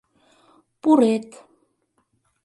— Пурет.